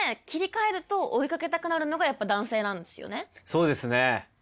そうですね。